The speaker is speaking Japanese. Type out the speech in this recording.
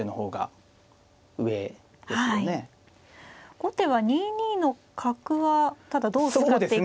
後手は２二の角はただどう使っていくんでしょう。